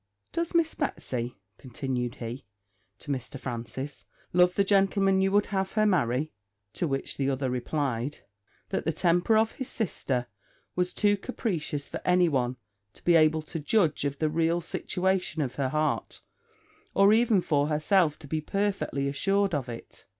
'Does Miss Betsy,' continued he, to Mr. Francis, 'love the gentleman you would have her marry?' To which the other replied, that the temper of his sister was too capricious for any one to be able to judge of the real situation of her heart, or even for herself to be fully assured of it.